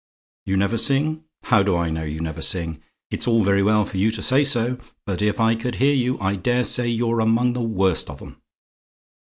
YOU NEVER SING? How do I know you never sing? It's very well for you to say so; but if I could hear you, I daresay you're among the worst of 'em.